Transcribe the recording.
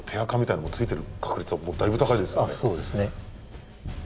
あっそうですね。